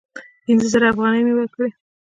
پینځه زره افغانۍ مي ورکړې !